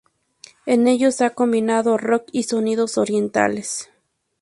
En ellos ha combinado rock y sonidos orientales.